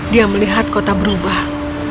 dia melihat kota berubah